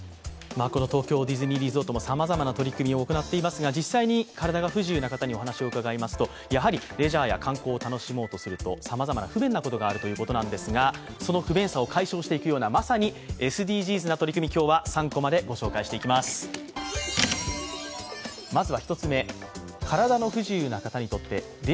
東京ディズニーリゾートもさまざまな取り組みを行っていますが実際に体が不自由な方にお話を伺いますとレジャー、観光を楽しもうとするとさまざまな不便なことがあるということなんですがその不便さを解消していくようなまさにＳＤＧｓな取り組み、今日は３コマで御紹介していきます